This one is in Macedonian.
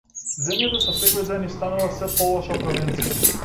Земјата со секој ден ни станува сѐ полоша провинција.